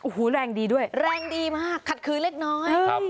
โอ้โหแรงดีด้วยแรงดีมากขัดขืนเล็กน้อยครับ